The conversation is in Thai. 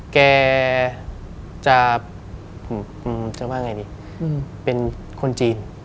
แกจะเป็นคนจีน